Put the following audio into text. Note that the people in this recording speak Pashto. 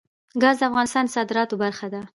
ګاز د افغانستان د صادراتو برخه ده.